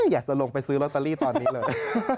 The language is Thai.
อยากจะลงไปซื้อลอตเตอรี่ตอนนี้เลย